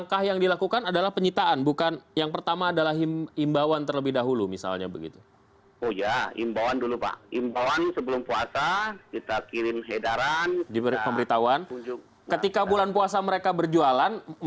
karena kita sudah sampaikan edaran sudah sampaikan himbauan